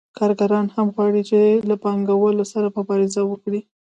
کارګران هم غواړي چې له پانګوالو سره مبارزه وکړي